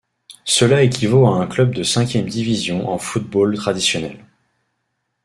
Cela équivaut à un club de cinquième division en football traditionnel.